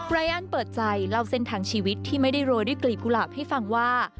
รายอันเปิดใจเล่าเส้นทางชีวิตที่ไม่ได้โรยด้วยกลีบกุหลาบให้ฟังว่า